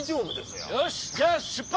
よしじゃあ出発！